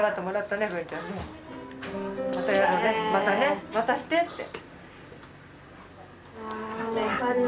またねまたしてって。